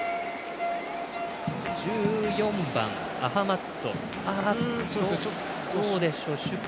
１４番、アハマッド。